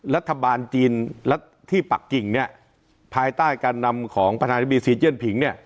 รัฐบาลจีนและที่ปักกิ่งเนี่ยภายใต้การนำของประธานาธิบดีซีเจียนผิงเนี่ย